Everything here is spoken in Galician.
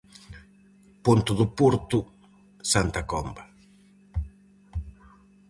Ponte do Porto – Santa Comba.